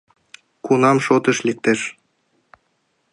Кунам шотыш лектеш?